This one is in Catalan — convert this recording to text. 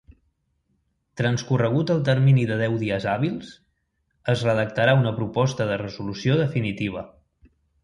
Transcorregut el termini de deu dies hàbils, es redactarà una proposta de resolució definitiva.